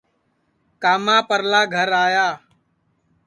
کاما پرلا گھر آیا